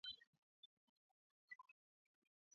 mwandishi wa muda mrefu wa Myanmar Aung Naing Soe